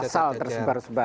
ada pasal tersebar